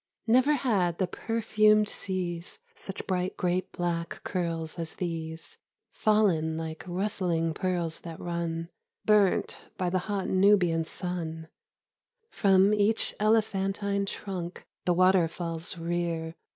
Never had the perfumed seas Such bright grape black curls as these Fallen like rustling pearls that run, Burnt by the hot Nubian sun, From each elephantine trunk The waterfalls rear."